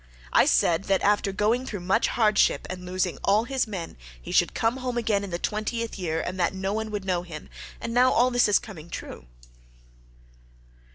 I said that after going through much hardship and losing all his men he should come home again in the twentieth year and that no one would know him; and now all this is coming true."